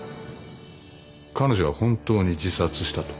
彼女は本当に自殺したと？